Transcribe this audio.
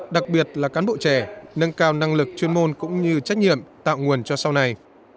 đặc biệt là cán bộ trẻ nâng cao năng lực chuyên môn cũng như trách nhiệm tạo nguồn cho sau này